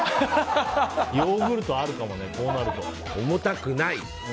ヨーグルトあるかもね重たくない！